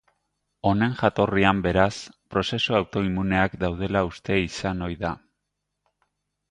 Honen jatorrian, beraz, prozesu autoimmuneak daudela uste izan ohi da.